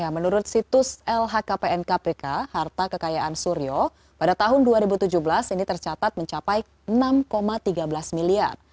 menurut situs lhkpn kpk harta kekayaan suryo pada tahun dua ribu tujuh belas ini tercatat mencapai enam tiga belas miliar